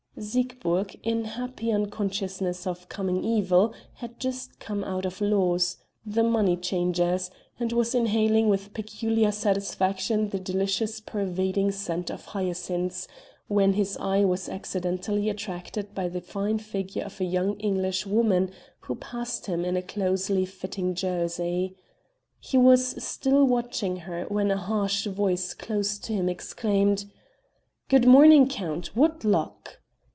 Siegburg, in happy unconsciousness of coming evil, had just come out of Law's, the money changer's, and was inhaling with peculiar satisfaction the delicious pervading scent of hyacinths, when his eye was accidentally attracted by the fine figure of a young English woman who passed him in a closely fitting jersey. He was still watching her when a harsh voice close to him exclaimed: "Good morning, Count, what luck!"